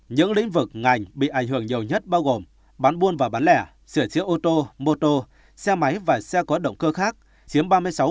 những lĩnh vực ngành bị ảnh hưởng nhiều nhất bao gồm bán buôn và bán lẻ sửa chữa ô tô mô tô xe máy và xe có động cơ khác chiếm ba mươi sáu